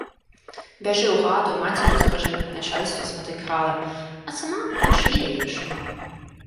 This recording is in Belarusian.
Бяжы ў хату, мацеры скажы, каб начальства спатыкала, а сама пячы яешню.